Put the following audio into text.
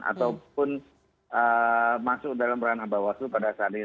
ataupun masuk dalam peran bawaslu pada saat ini